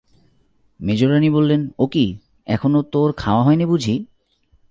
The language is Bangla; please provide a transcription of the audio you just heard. মেজোরানী বললেন, ও কী, এখনো তোর খাওয়া হয় নি বুঝি?